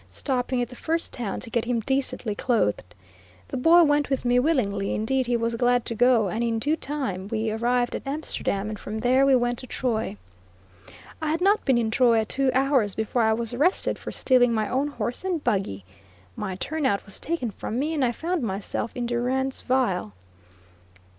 stopping at the first town to get him decently clothed. The boy went with me willingly, indeed he was glad to go, and in due time we arrived at Amsterdam, and from there we went to Troy. I had not been in Troy two hours before I was arrested for stealing my own horse and buggy! My turnout was taken from me, and I found myself in durance vile.